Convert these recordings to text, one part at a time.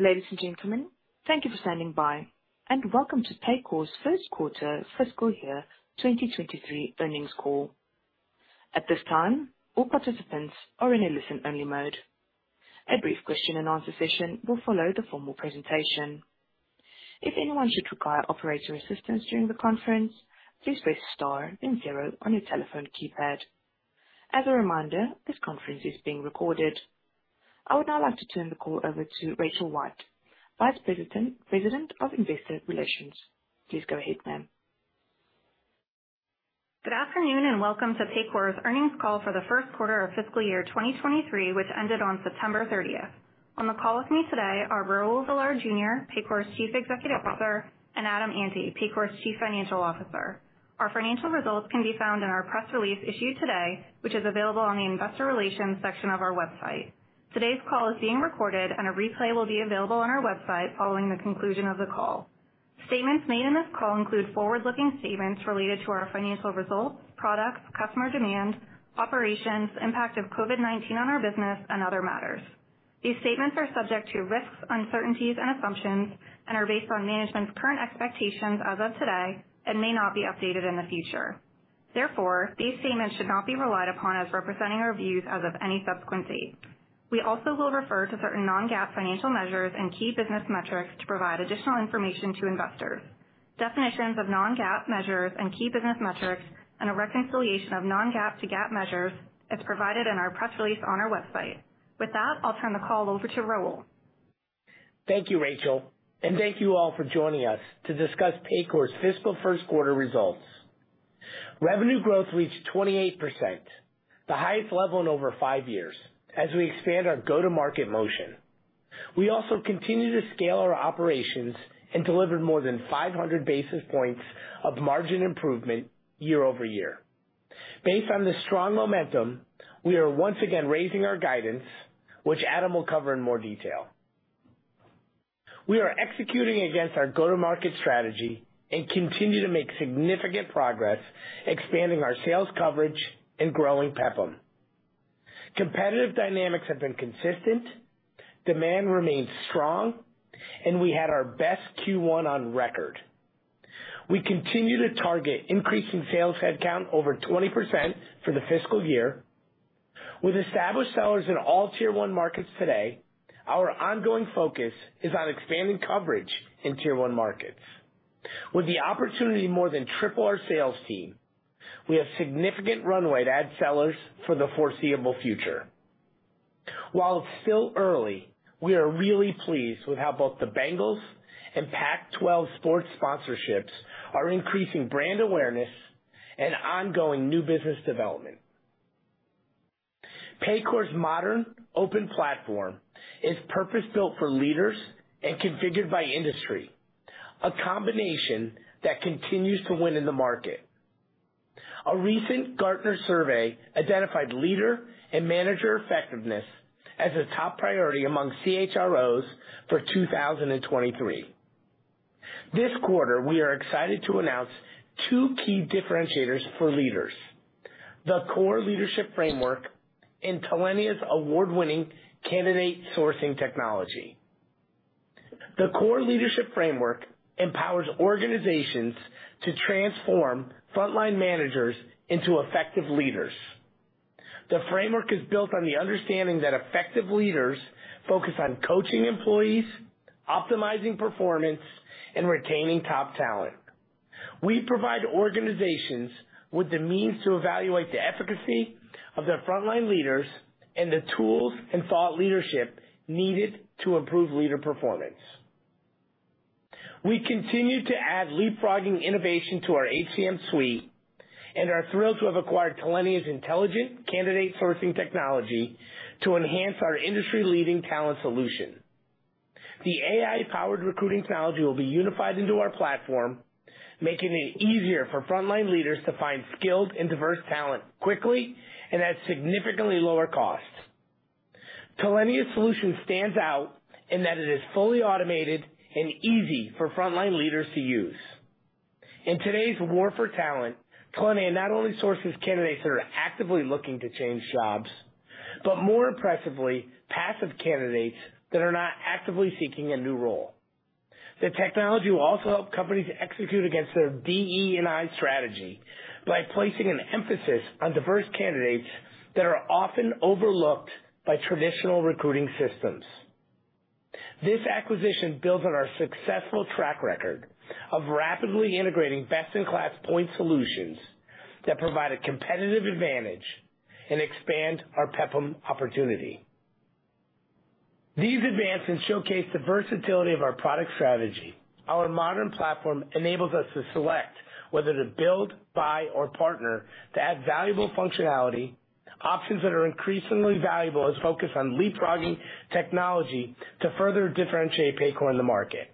Ladies and gentlemen, thank you for standing by, and welcome to Paycor's first quarter fiscal year 2023 earnings call. At this time, all participants are in a listen-only mode. A brief question and answer session will follow the formal presentation. If anyone should require operator assistance during the conference, please press star then zero on your telephone keypad. As a reminder, this conference is being recorded. I would now like to turn the call over to Rachel White, Vice President of Investor Relations. Please go ahead, ma'am. Good afternoon, and welcome to Paycor's earnings call for the first quarter of fiscal year 2023, which ended on September 30th. On the call with me today are Raul Villar Jr., Paycor's Chief Executive Officer, and Adam Ante, Paycor's Chief Financial Officer. Our financial results can be found in our press release issued today, which is available on the investor relations section of our website. Today's call is being recorded, and a replay will be available on our website following the conclusion of the call. Statements made in this call include forward-looking statements related to our financial results, products, customer demand, operations, impact of COVID-19 on our business, and other matters. These statements are subject to risks, uncertainties, and assumptions and are based on management's current expectations as of today and may not be updated in the future. Therefore, these statements should not be relied upon as representing our views as of any subsequent date. We also will refer to certain non-GAAP financial measures and key business metrics to provide additional information to investors. Definitions of non-GAAP measures and key business metrics and a reconciliation of non-GAAP to GAAP measures is provided in our press release on our website. With that, I'll turn the call over to Raul. Thank you, Rachel, and thank you all for joining us to discuss Paycor's fiscal first quarter results. Revenue growth reached 28%, the highest level in over five years as we expand our go-to-market motion. We also continue to scale our operations and delivered more than 500 basis points of margin improvement year-over-year. Based on this strong momentum, we are once again raising our guidance, which Adam will cover in more detail. We are executing against our go-to-market strategy and continue to make significant progress expanding our sales coverage and growing PEPPM. Competitive dynamics have been consistent, demand remains strong, and we had our best Q1 on record. We continue to target increasing sales headcount over 20% for the fiscal year. With established sellers in all Tier 1 markets today, our ongoing focus is on expanding coverage in Tier 1 markets. With the opportunity to more than triple our sales team, we have significant runway to add sellers for the foreseeable future. While it's still early, we are really pleased with how both the Bengals and Pac-12 sports sponsorships are increasing brand awareness and ongoing new business development. Paycor's modern open platform is purpose-built for leaders and configured by industry, a combination that continues to win in the market. A recent Gartner survey identified leader and manager effectiveness as a top priority among CHROs for 2023. This quarter, we are excited to announce two key differentiators for leaders, the COR Leadership Framework and Talenya's award-winning candidate sourcing technology. The COR Leadership Framework empowers organizations to transform frontline managers into effective leaders. The framework is built on the understanding that effective leaders focus on coaching employees, optimizing performance, and retaining top talent. We provide organizations with the means to evaluate the efficacy of their frontline leaders and the tools and thought leadership needed to improve leader performance. We continue to add leapfrogging innovation to our HCM suite and are thrilled to have acquired Talenya's intelligent candidate sourcing technology to enhance our industry-leading talent solution. The AI-powered recruiting technology will be unified into our platform, making it easier for frontline leaders to find skilled and diverse talent quickly and at significantly lower costs. Talenya's solution stands out in that it is fully automated and easy for frontline leaders to use. In today's war for talent, Talenya not only sources candidates that are actively looking to change jobs, but more impressively, passive candidates that are not actively seeking a new role. The technology will also help companies execute against their DE&I strategy by placing an emphasis on diverse candidates that are often overlooked by traditional recruiting systems. This acquisition builds on our successful track record of rapidly integrating best-in-class point solutions that provide a competitive advantage and expand our PEPPM opportunity. These advancements showcase the versatility of our product strategy. Our modern platform enables us to select whether to build, buy, or partner to add valuable functionality, options that are increasingly valuable as we focus on leapfrogging technology to further differentiate Paycor in the market.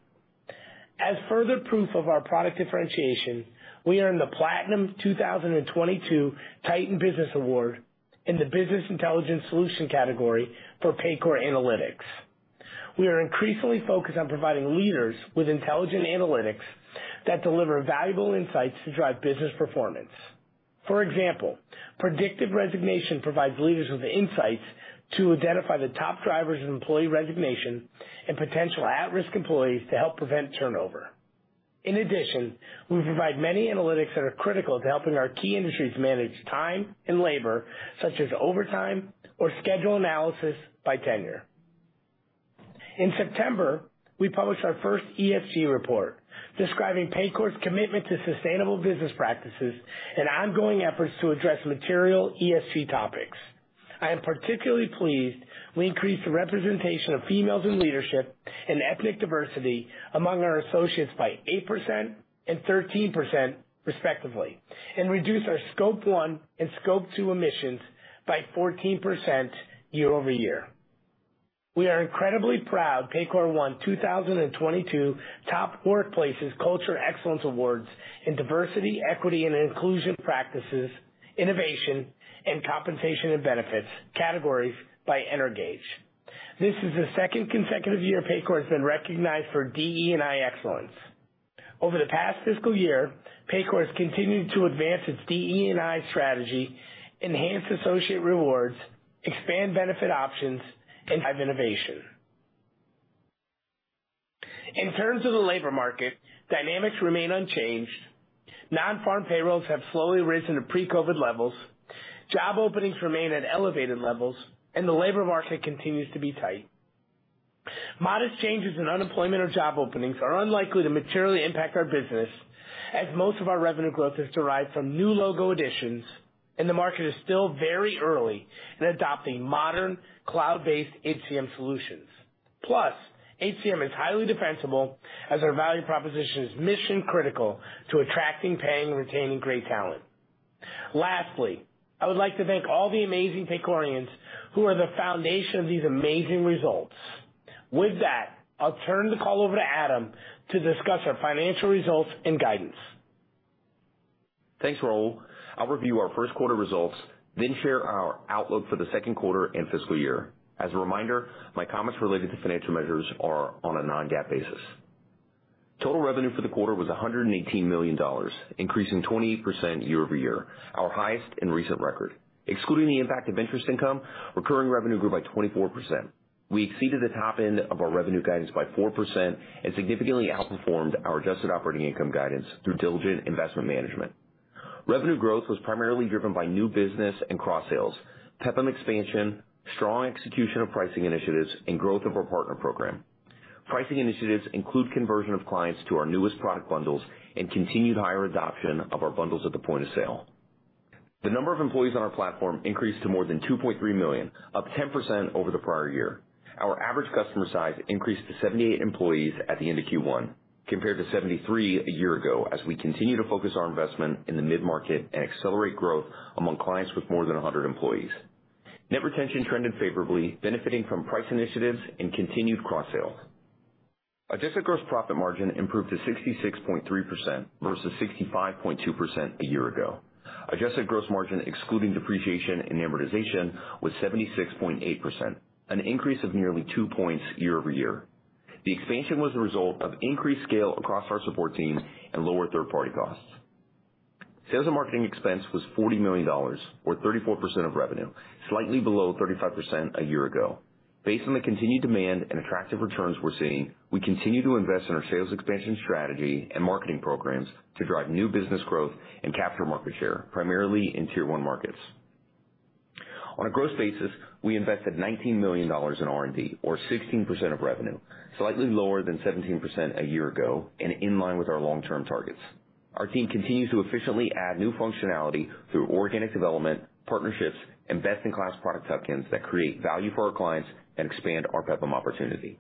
As further proof of our product differentiation, we earned the Platinum 2022 TITAN Business Awards in the business intelligence solution category for Paycor Analytics. We are increasingly focused on providing leaders with intelligent analytics that deliver valuable insights to drive business performance. For example, predictive resignation provides leaders with insights to identify the top drivers of employee resignation and potential at-risk employees to help prevent turnover. In addition, we provide many analytics that are critical to helping our key industries manage time and labor, such as overtime or schedule analysis by tenure. In September, we published our first ESG report describing Paycor's commitment to sustainable business practices and ongoing efforts to address material ESG topics. I am particularly pleased we increased the representation of females in leadership and ethnic diversity among our associates by 8% and 13% respectively, and reduce our Scope 1 and Scope 2 emissions by 14% year-over-year. We are incredibly proud Paycor won 2022 Top Workplaces Culture Excellence Awards in diversity, equity and inclusion practices, innovation, and compensation and benefits categories by Energage. This is the second consecutive year Paycor has been recognized for DE&I excellence. Over the past fiscal year, Paycor has continued to advance its DE&I strategy, enhance associate rewards, expand benefit options, and drive innovation. In terms of the labor market, dynamics remain unchanged. Nonfarm payrolls have slowly risen to pre-COVID levels. Job openings remain at elevated levels and the labor market continues to be tight. Modest changes in unemployment or job openings are unlikely to materially impact our business as most of our revenue growth is derived from new logo additions and the market is still very early in adopting modern cloud-based HCM solutions. Plus, HCM is highly defensible as our value proposition is mission critical to attracting, paying, and retaining great talent. Lastly, I would like to thank all the amazing Paycorians who are the foundation of these amazing results. With that, I'll turn the call over to Adam to discuss our financial results and guidance. Thanks, Raul. I'll review our first quarter results, then share our outlook for the second quarter and fiscal year. As a reminder, my comments related to financial measures are on a non-GAAP basis. Total revenue for the quarter was $118 million, increasing 28% year-over-year, our highest on record. Excluding the impact of interest income, recurring revenue grew by 24%. We exceeded the top end of our revenue guidance by 4% and significantly outperformed our adjusted operating income guidance through diligent investment management. Revenue growth was primarily driven by new business and cross sales, PEPPM expansion, strong execution of pricing initiatives, and growth of our partner program. Pricing initiatives include conversion of clients to our newest product bundles and continued higher adoption of our bundles at the point of sale. The number of employees on our platform increased to more than 2.3 million, up 10% over the prior year. Our average customer size increased to 78 employees at the end of Q1, compared to 73 a year ago as we continue to focus our investment in the mid-market and accelerate growth among clients with more than 100 employees. Net retention trended favorably, benefiting from price initiatives and continued cross sales. Adjusted gross profit margin improved to 66.3% versus 65.2% a year ago. Adjusted gross margin excluding depreciation and amortization was 76.8%, an increase of nearly 2 points year-over-year. The expansion was a result of increased scale across our support team and lower third-party costs. Sales and marketing expense was $40 million or 34% of revenue, slightly below 35% a year ago. Based on the continued demand and attractive returns we're seeing, we continue to invest in our sales expansion strategy and marketing programs to drive new business growth and capture market share, primarily in tier one markets. On a gross basis, we invested $19 million in R&D or 16% of revenue, slightly lower than 17% a year ago and in line with our long-term targets. Our team continues to efficiently add new functionality through organic development, partnerships, and best-in-class product touch points that create value for our clients and expand our PEPPM opportunity.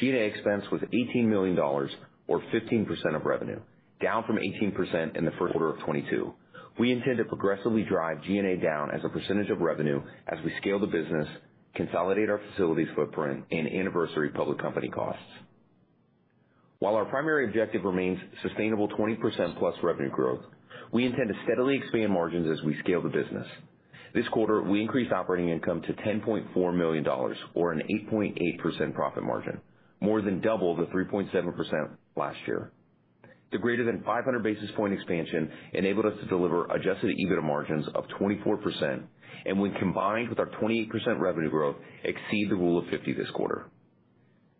G&A expense was $18 million or 15% of revenue, down from 18% in the first quarter of 2022. We intend to progressively drive G&A down as a percentage of revenue as we scale the business, consolidate our facilities footprint, and anniversary public company costs. While our primary objective remains sustainable 20%+ revenue growth, we intend to steadily expand margins as we scale the business. This quarter, we increased operating income to $10.4 million or an 8.8% profit margin, more than double the 3.7% last year. The greater than 500 basis point expansion enabled us to deliver adjusted EBITDA margins of 24%, and when combined with our 28% revenue growth, exceed the rule of 50 this quarter.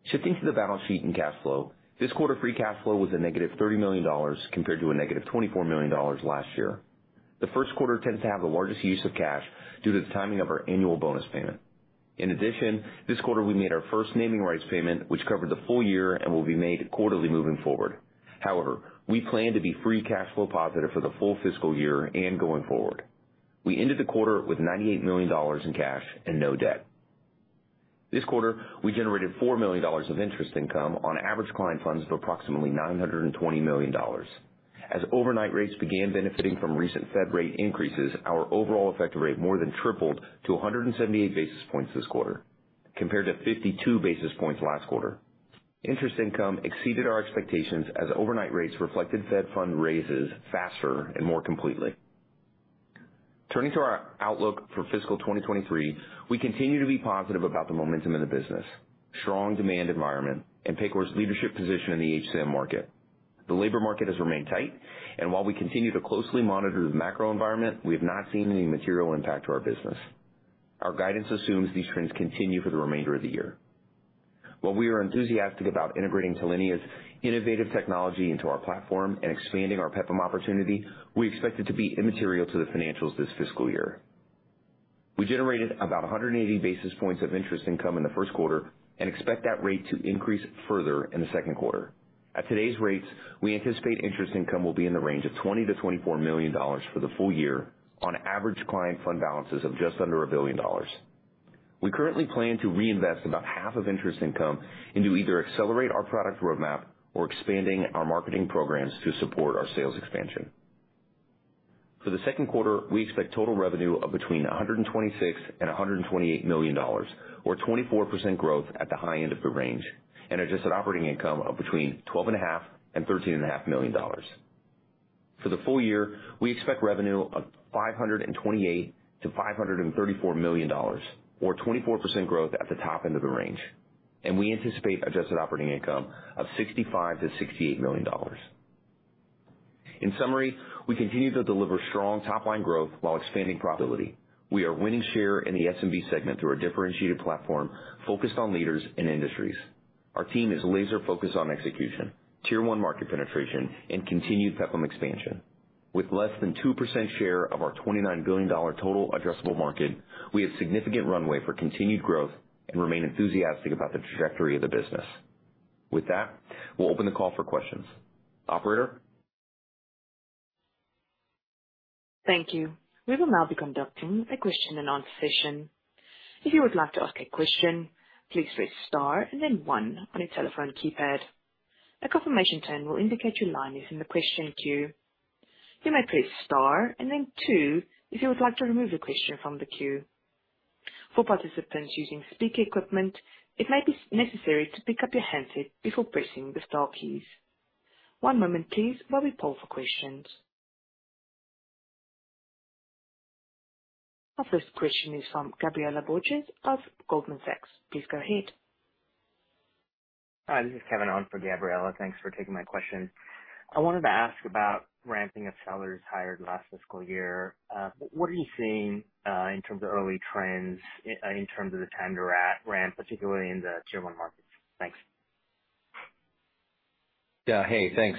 Shifting to the balance sheet and cash flow, this quarter free cash flow was a -$30 million compared to a negative $24 million last year. The first quarter tends to have the largest use of cash due to the timing of our annual bonus payment. In addition, this quarter we made our first naming rights payment, which covered the full year and will be made quarterly moving forward. However, we plan to be free cash flow positive for the full fiscal year and going forward. We ended the quarter with $98 million in cash and no debt. This quarter, we generated $4 million of interest income on average client funds of approximately $920 million. As overnight rates began benefiting from recent Fed rate increases, our overall effective rate more than tripled to 178 basis points this quarter, compared to 52 basis points last quarter. Interest income exceeded our expectations as overnight rates reflected Fed fund raises faster and more completely. Turning to our outlook for fiscal 2023, we continue to be positive about the momentum in the business, strong demand environment, and Paycor's leadership position in the HCM market. The labor market has remained tight, and while we continue to closely monitor the macro environment, we have not seen any material impact to our business. Our guidance assumes these trends continue for the remainder of the year. While we are enthusiastic about integrating Talenya's innovative technology into our platform and expanding our PEPPM opportunity, we expect it to be immaterial to the financials this fiscal year. We generated about 180 basis points of interest income in the first quarter and expect that rate to increase further in the second quarter. At today's rates, we anticipate interest income will be in the range of $20 million-$24 million for the full year on average client fund balances of just under $1 billion. We currently plan to reinvest about half of interest income into either accelerate our product roadmap or expanding our marketing programs to support our sales expansion. For the second quarter, we expect total revenue of between $126 million and $128 million or 24% growth at the high end of the range, and adjusted operating income of between $12.5 million and $13.5 million. For the full year, we expect revenue of $528 million-$534 million or 24% growth at the top end of the range, and we anticipate adjusted operating income of $65 million-$68 million. In summary, we continue to deliver strong top-line growth while expanding profitability. We are winning share in the SMB segment through our differentiated platform focused on leaders and industries. Our team is laser focused on execution, Tier 1 market penetration, and continued PEPPM expansion. With less than 2% share of our $29 billion total addressable market, we have significant runway for continued growth and remain enthusiastic about the trajectory of the business. With that, we'll open the call for questions. Operator? Thank you. We will now be conducting a question and answer session. If you would like to ask a question, please press star and then one on your telephone keypad. A confirmation tone will indicate your line is in the question queue. You may press star and then two if you would like to remove a question from the queue. For participants using speaker equipment, it may be necessary to pick up your handset before pressing the star keys. One moment please while we poll for questions. Our first question is from Gabriela Borges of Goldman Sachs. Please go ahead. Hi, this is Kevin on for Gabriela. Thanks for taking my question. I wanted to ask about ramping of sellers hired last fiscal year. What are you seeing in terms of early trends in terms of the time they're at ramp, particularly in the Tier 1 markets? Thanks. Yeah. Hey, thanks.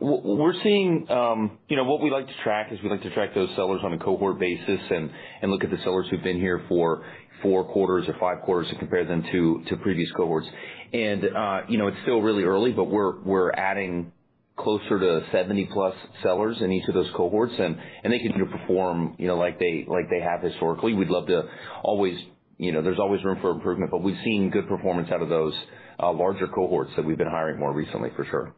We're seeing, you know, what we like to track is we like to track those sellers on a cohort basis and look at the sellers who've been here for four quarters or five quarters to compare them to previous cohorts. You know, it's still really early, but we're adding closer to 70+ sellers in each of those cohorts and they continue to perform, you know, like they have historically. We'd love to always, you know, there's always room for improvement, but we've seen good performance out of those larger cohorts that we've been hiring more recently for sure.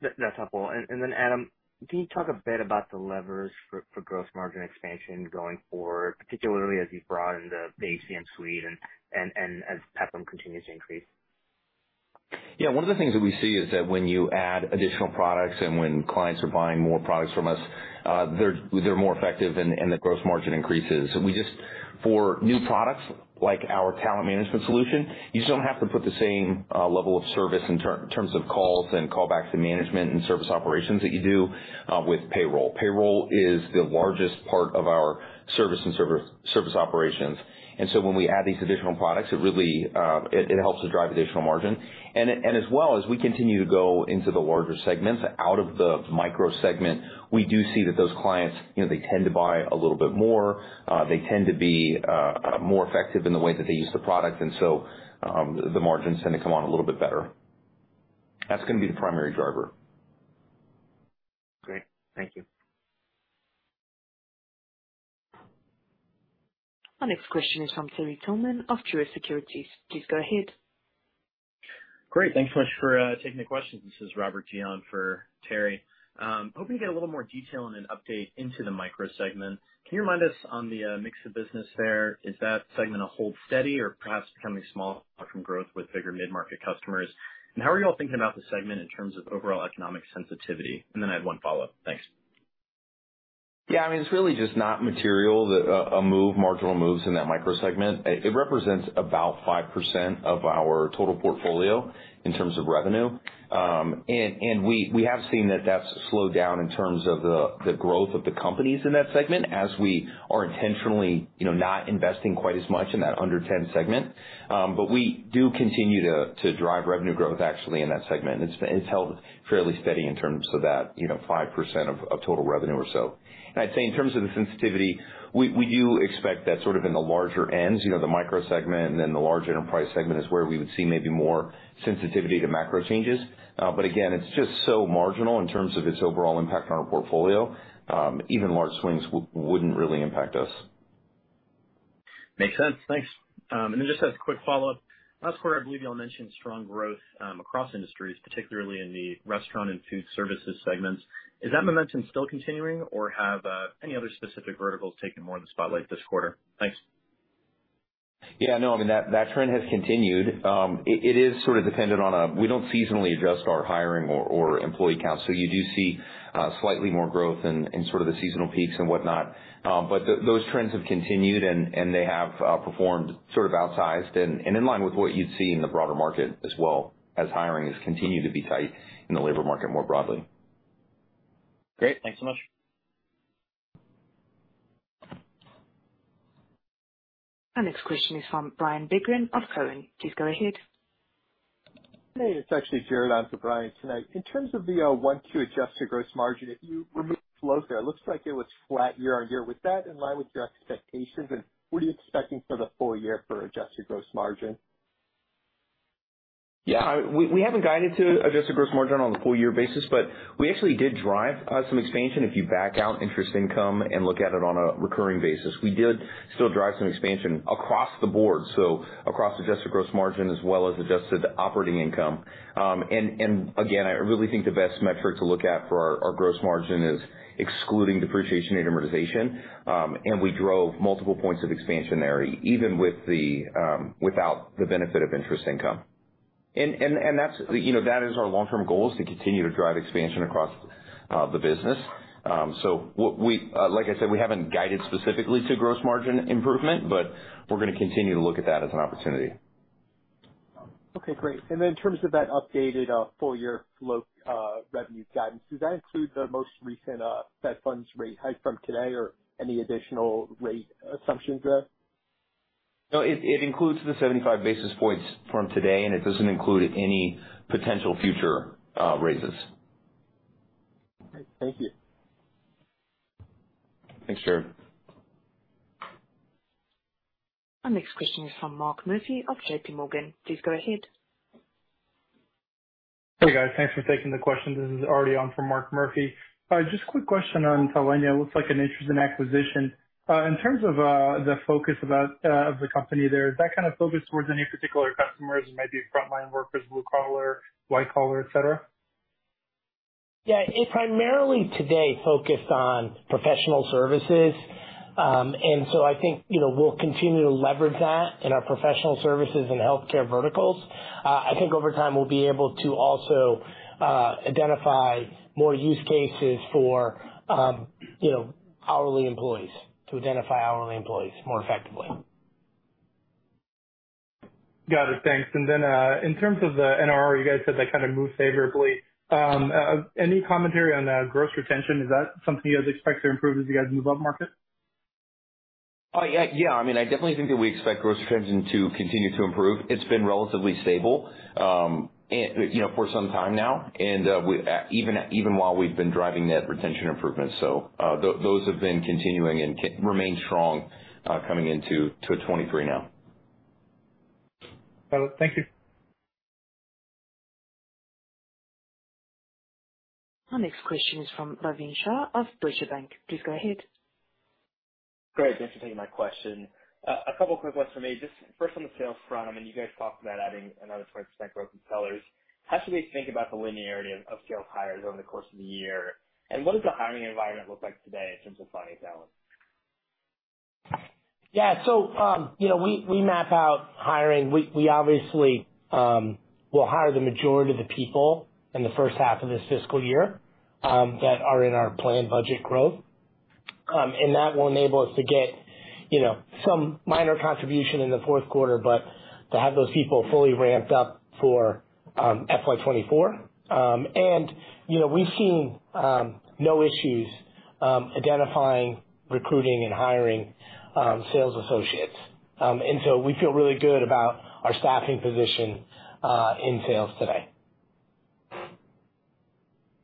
That's helpful. Then Adam, can you talk a bit about the levers for gross margin expansion going forward, particularly as you broaden the HCM suite and as PEPPM continues to increase? One of the things that we see is that when you add additional products and when clients are buying more products from us, they're more effective and the gross margin increases. For new products like our talent management solution, you just don't have to put the same level of service in terms of calls and callbacks to management and service operations that you do with payroll. Payroll is the largest part of our service and service operations. When we add these additional products, it really helps to drive additional margin. As well as we continue to go into the larger segments out of the micro segment, we do see that those clients, you know, they tend to buy a little bit more. They tend to be more effective in the way that they use the product. The margins tend to come out a little bit better. That's gonna be the primary driver. Great. Thank you. Our next question is from Terry Tillman of Truist Securities. Please go ahead. Great. Thanks so much for taking the questions. This is Robert Gion for Terry. Hoping to get a little more detail and an update into the micro segment. Can you remind us on the mix of business there, is that segment a hold steady or perhaps becoming small from growth with bigger mid-market customers? And how are you all thinking about the segment in terms of overall economic sensitivity? And then I have one follow-up. Thanks. Yeah. I mean, it's really just not material that marginal moves in that micro segment. It represents about 5% of our total portfolio in terms of revenue. We have seen that that's slowed down in terms of the growth of the companies in that segment as we are intentionally, you know, not investing quite as much in that under-10 segment. But we do continue to drive revenue growth actually in that segment. It's held fairly steady in terms of that, you know, 5% of total revenue or so. I'd say in terms of the sensitivity, we do expect that sort of in the larger ends, you know, the micro segment and then the large enterprise segment is where we would see maybe more sensitivity to macro changes. Again, it's just so marginal in terms of its overall impact on our portfolio. Even large swings wouldn't really impact us. Makes sense. Thanks. Then just as a quick follow-up. Last quarter, I believe y'all mentioned strong growth, across industries, particularly in the restaurant and food services segments. Is that momentum still continuing, or have, any other specific verticals taken more of the spotlight this quarter? Thanks. I mean, that trend has continued. It is sort of dependent on, we don't seasonally adjust our hiring or employee count, so you do see slightly more growth in sort of the seasonal peaks and whatnot. Those trends have continued and they have performed sort of outsized and in line with what you'd see in the broader market as well as hiring has continued to be tight in the labor market more broadly. Great. Thanks so much. Our next question is from Bryan Bergin of Cowen. Please go ahead. Hey, it's actually Jared on for Bryan tonight. In terms of the Q2 adjusted gross margin, if you remove flow there, it looks like it was flat year-over-year. Was that in line with your expectations, and what are you expecting for the full year for adjusted gross margin? Yeah. We haven't guided to adjusted gross margin on a full-year basis, but we actually did drive some expansion if you back out interest income and look at it on a recurring basis. We did still drive some expansion across the board, so across adjusted gross margin as well as adjusted operating income. Again, I really think the best metric to look at for our gross margin is excluding depreciation and amortization. We drove multiple points of expansion there, even without the benefit of interest income. That's, you know, that is our long-term goal is to continue to drive expansion across the business. Like I said, we haven't guided specifically to gross margin improvement, but we're gonna continue to look at that as an opportunity. Okay, great. In terms of that updated full year flow revenue guidance, does that include the most recent Fed funds rate hike from today or any additional rate assumptions there? No, it includes the 75 basis points from today, and it doesn't include any potential future raises. Great. Thank you. Thanks, Jared. Our next question is from Mark Murphy of JPMorgan. Please go ahead. Hey, guys. Thanks for taking the question. This is Ari on from Mark Murphy. Just a quick question on Talenya. It looks like an interesting acquisition. In terms of the focus of the company there, is that kind of focused towards any particular customers, maybe frontline workers, blue collar, white collar, et cetera? Yeah, it primarily today focused on professional services. I think, you know, we'll continue to leverage that in our professional services and healthcare verticals. I think over time, we'll be able to also identify more use cases for, you know, hourly employees to identify hourly employees more effectively. Got it. Thanks. In terms of the NRR, you guys said that kind of moved favorably. Any commentary on gross retention? Is that something you guys expect to improve as you guys move up market? Yeah. Yeah. I mean, I definitely think that we expect gross retention to continue to improve. It's been relatively stable, and, you know, for some time now, and even while we've been driving net retention improvements. Those have been continuing and remain strong, coming into 2023 now. Got it. Thank you. Our next question is from Bhavin Shah of Deutsche Bank. Please go ahead. Great. Thanks for taking my question. A couple quick ones for me. Just first on the sales front, I mean, you guys talked about adding another 20% growth in sellers. How should we think about the linearity of sales hires over the course of the year? And what does the hiring environment look like today in terms of finding talent? Yeah. We map out hiring. We obviously will hire the majority of the people in the first half of this fiscal year that are in our planned budget growth. That will enable us to get some minor contribution in the fourth quarter, but to have those people fully ramped up for FY 2024. We've seen no issues identifying, recruiting and hiring sales associates. We feel really good about our staffing position in sales today.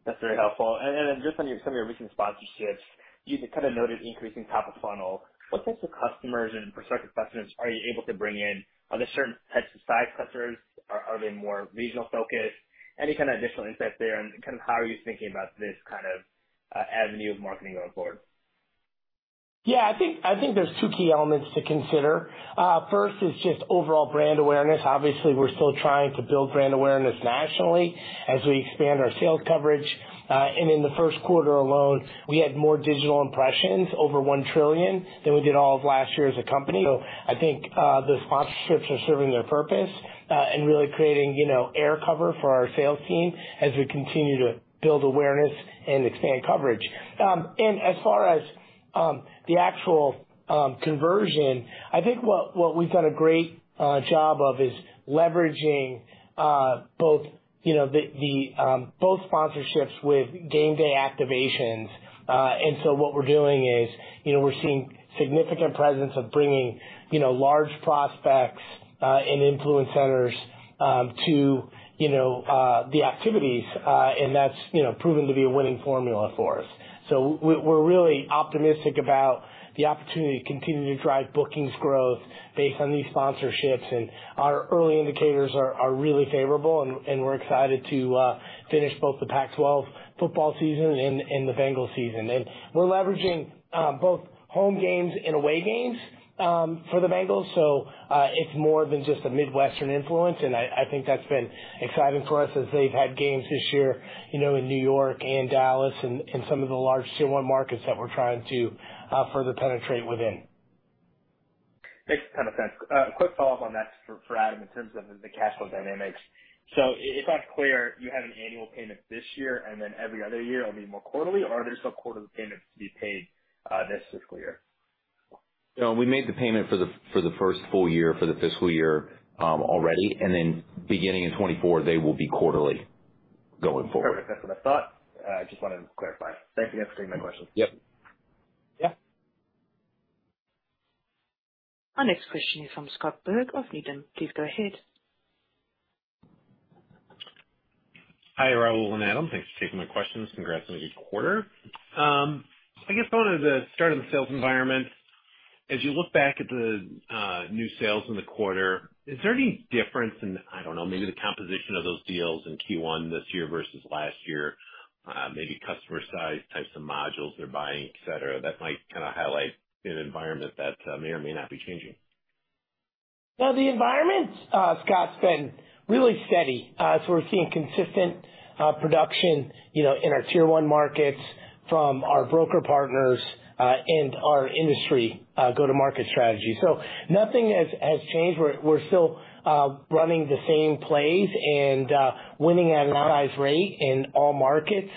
That's very helpful. Then just on your, some of your recent sponsorships, you kind of noted increasing top of funnel. What types of customers and prospective customers are you able to bring in? Are there certain types of size clusters? Are they more regional focused? Any kind of additional insight there, and kind of how are you thinking about this kind of avenue of marketing going forward? Yeah, I think there's two key elements to consider. First is just overall brand awareness. Obviously, we're still trying to build brand awareness nationally as we expand our sales coverage. In the first quarter alone, we had more digital impressions, over 1 trillion, than we did all of last year as a company. I think the sponsorships are serving their purpose and really creating, you know, air cover for our sales team as we continue to build awareness and expand coverage. As far as the actual conversion, I think what we've done a great job of is leveraging both, you know, the both sponsorships with game day activations. What we're doing is, you know, we're seeing significant presence by bringing, you know, large prospects and influence centers to, you know, the activities, and that's, you know, proven to be a winning formula for us. We're really optimistic about the opportunity to continue to drive bookings growth based on these sponsorships. Our early indicators are really favorable and we're excited to finish both the Pac-12 football season and the Bengals season. We're leveraging both home games and away games for the Bengals, so it's more than just a Midwestern influence, and I think that's been exciting for us as they've had games this year, you know, in New York and Dallas and some of the large Tier 1 markets that we're trying to further penetrate within. Makes kind of sense. A quick follow-up on that for Adam in terms of the cash flow dynamics. If I'm clear, you had an annual payment this year, and then every other year it'll be more quarterly or are there still quarterly payments to be paid this fiscal year? No, we made the payment for the first full year for the fiscal year already. Beginning in 2024, they will be quarterly going forward. Perfect. That's what I thought. I just wanted to clarify. Thank you guys for taking my questions. Yep. Yeah. Our next question is from Scott Berg of Needham. Please go ahead. Hi, Raul and Adam. Thanks for taking my questions. Congrats on a good quarter. I guess I wanted to start on the sales environment. As you look back at the new sales in the quarter, is there any difference in, I don't know, maybe the composition of those deals in Q1 this year versus last year, maybe customer size, types of modules they're buying, et cetera, that might kind of highlight an environment that may or may not be changing? No, the environment, Scott, has been really steady. We're seeing consistent production, you know, in our Tier 1 markets from our broker partners and our industry go-to-market strategy. Nothing has changed. We're still running the same plays and winning at an outsized rate in all markets.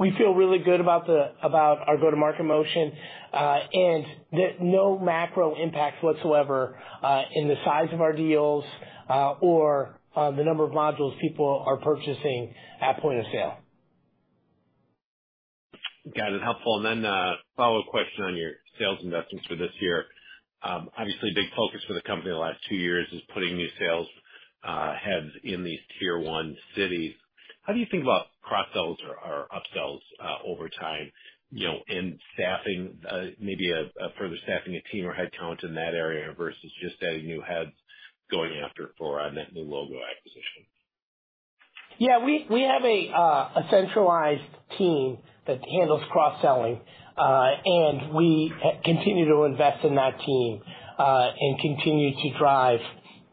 We feel really good about our go-to-market motion and that no macro impacts whatsoever in the size of our deals or the number of modules people are purchasing at point of sale. Got it. Helpful. A follow-up question on your sales investments for this year. Obviously, a big focus for the company the last two years is putting new sales heads in these Tier 1 cities. How do you think about cross-sells or up-sells over time, you know, in staffing, maybe a further staffing a team or headcount in that area versus just adding new heads going after for a net new logo acquisition? Yeah. We have a centralized team that handles cross-selling, and we continue to invest in that team, and continue to drive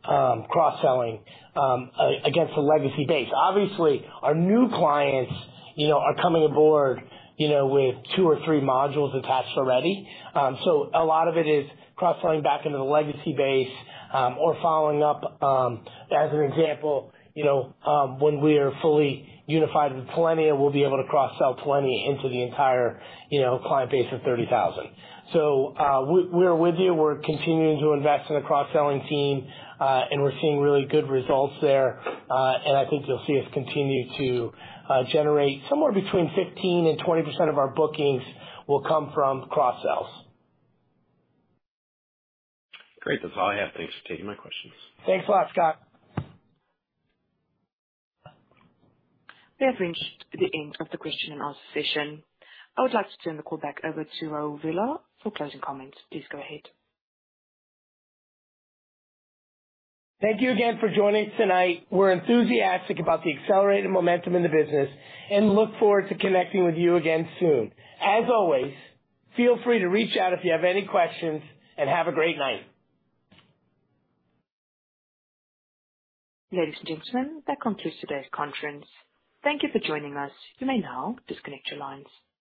cross-selling against the legacy base. Obviously, our new clients, you know, are coming aboard, you know, with two or three modules attached already. A lot of it is cross-selling back into the legacy base, or following up, as an example, you know, when we are fully unified with Talenya, we'll be able to cross-sell Talenya into the entire, you know, client base of 30,000. We are with you. We're continuing to invest in a cross-selling team, and we're seeing really good results there. I think you'll see us continue to generate somewhere between 15% and 20% of our bookings will come from cross-sells. Great. That's all I have. Thanks for taking my questions. Thanks a lot, Scott. We have reached the end of the question and answer session. I would like to turn the call back over to Raul Villar for closing comments. Please go ahead. Thank you again for joining us tonight. We're enthusiastic about the accelerated momentum in the business and look forward to connecting with you again soon. As always, feel free to reach out if you have any questions, and have a great night. Ladies and gentlemen, that concludes today's conference. Thank you for joining us. You may now disconnect your lines.